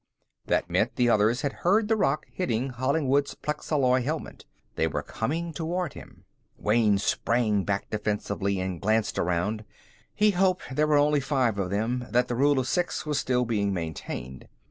That meant the others had heard the rock hitting Hollingwood's plexalloy helmet. They were coming toward him. Wayne sprang back defensively and glanced around. He hoped there were only five of them, that the rule of six was still being maintained.